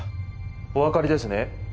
お分かりですね。